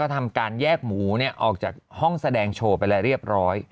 ทำการแยกหมูออกจากห้องแสดงโชว์ไปแล้วเรียบร้อย